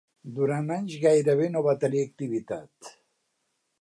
Durant anys gairebé no va tenir activitat.